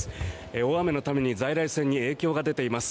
大雨のために在来線に影響が出ています。